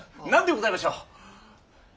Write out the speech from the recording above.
何でございましょう。